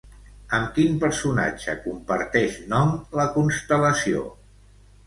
Amb quin personatge comparteix nom la constel·lació?